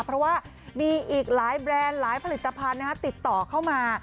เพราะว่ามีอีกหลายแบรนด์หลายผลิตภัณฑ์ติดต่อเข้ามา